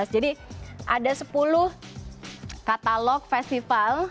jadi ada sepuluh katalog festival